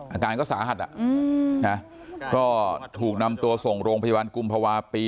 อาการก็สาหัสก็ถูกนำตัวส่งโรงพยาบาลกุมภาวะปี